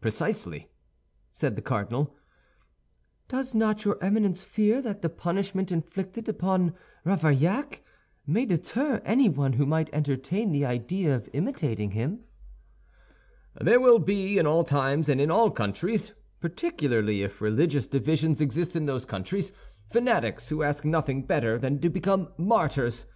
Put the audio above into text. "Precisely," said the cardinal. "Does not your Eminence fear that the punishment inflicted upon Ravaillac may deter anyone who might entertain the idea of imitating him?" "There will be, in all times and in all countries, particularly if religious divisions exist in those countries, fanatics who ask nothing better than to become martyrs.